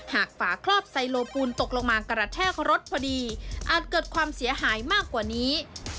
ฝาครอบไซโลกูลตกลงมากระแทกรถพอดีอาจเกิดความเสียหายมากกว่านี้